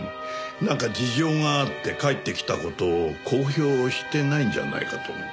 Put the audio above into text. なんか事情があって帰ってきた事を公表してないんじゃないかと思ってね。